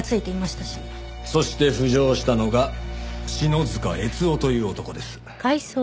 そして浮上したのが篠塚悦雄という男です。